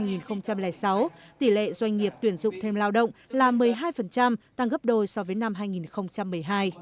điều tra pci năm hai nghìn một mươi sáu tỷ lệ doanh nghiệp tuyển dụng thêm lao động là một mươi hai tăng gấp đôi so với năm hai nghìn một mươi hai